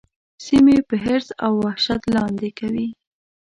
سیمې په حرص او وحشت لاندي کوي.